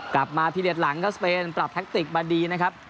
กลับมาพิเศษหลังเขาสเปนปรับแท็กติกมาดีนะครับ